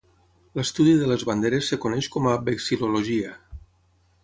L'estudi de les banderes es coneix com a vexil·lologia.